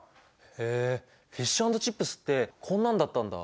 へえフィッシュ＆チップスってこんなんだったんだ。